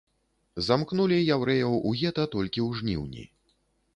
Замкнулі яўрэяў у гета толькі ў жніўні.